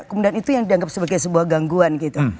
kemudian itu yang dianggap sebagai sebuah gangguan gitu